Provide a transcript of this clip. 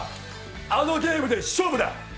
あのゲームで勝負だ！